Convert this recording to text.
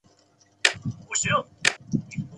拉尼利。